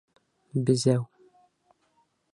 Безәү!